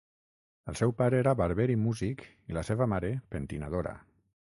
El seu pare era barber i músic i la seva mare, pentinadora.